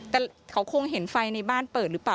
แต่เขาคงเห็นไฟในบ้านเปิดหรือเปล่า